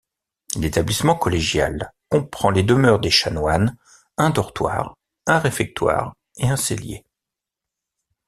L'établissement collégial comprend les demeures des chanoines, un dortoir, un réfectoire et un cellier.